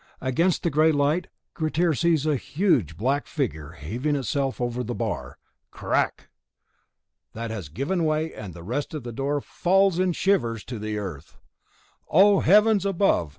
Against the grey light, Grettir sees a huge black figure heaving itself over the bar. Crack! that has given way, and the rest of the door falls in shivers to the earth. "Oh, heavens above!"